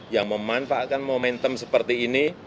yang memanfaatkan momentum seperti ini